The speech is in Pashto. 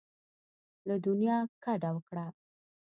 له دنیا کډه وکړه.